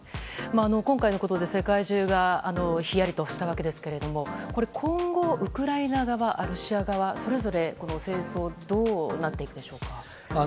今回のことで世界中がひやりとしたわけですが今後、ウクライナ側ロシア側はそれぞれ戦争はどうなっていくでしょうか。